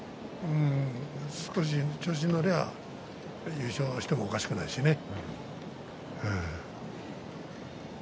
少し調子に乗れば優勝してもおかしくないしね。